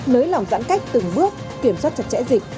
nới lỏng giãn cách từng bước kiểm soát chặt chẽ dịch